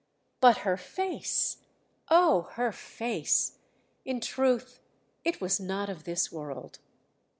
But her face. Oh! her face ... in truth it was not of this world!